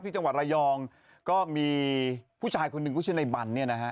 จังหวัดระยองก็มีผู้ชายคนหนึ่งก็ชื่อในบันเนี่ยนะฮะ